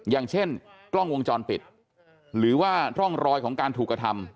อย่างเช่นกล้องวงจรปิดหรือว่าร่องรอยของการถูกกระทำ